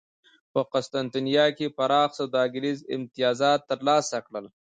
په قسطنطنیه کې یې پراخ سوداګریز امتیازات ترلاسه کړل